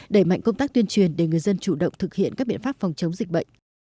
đẩy mạnh công tác tuyên truyền để người dân chủ động thực hiện các biện pháp phòng chống dịch bệnh